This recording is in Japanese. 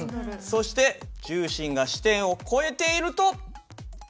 そして重心が支点を越えていると。